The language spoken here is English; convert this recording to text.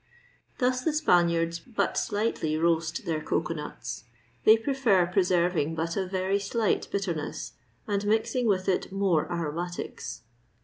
Thus the Spaniards but slightly roast their cocoa nuts; they prefer preserving but a very slight bitterness, and mixing with it more aromatics.